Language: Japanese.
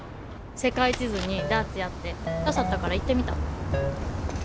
世界地図にダーツやって刺さったから行ってみた。